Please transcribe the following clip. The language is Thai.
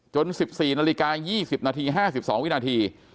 ๑๔นาฬิกา๒๐นาที๕๒วินาที